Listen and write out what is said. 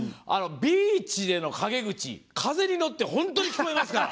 ビーチでの陰口風に乗って本当に聞こえますから。